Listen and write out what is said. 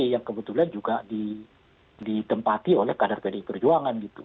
yang kebetulan juga ditempati oleh kader pdi perjuangan gitu